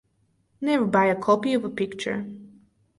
Never buy a copy of a picture.